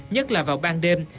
nhất là vào ban đêm